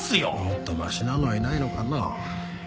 もっとマシなのはいないのかな？